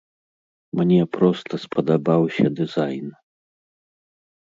Мне проста спадабаўся дызайн.